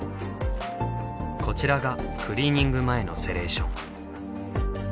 こちらがクリーニング前のセレーション。